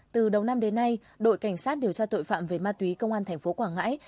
từ đầu năm đến nay đội cảnh sát điều tra tội phạm về ma túy công an thành phố quảng ngãi